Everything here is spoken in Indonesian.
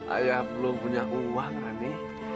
ayah belum punya uang ini